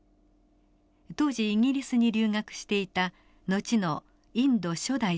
当時イギリスに留学していた後のインド初代首相